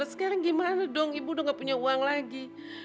sekarang gimana dong ibu udah gak punya uang lagi